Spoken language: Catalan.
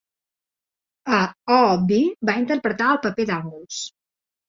A "Oobi", va interpretar el paper d'Angus.